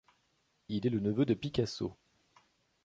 Il est le neveu de Picasso.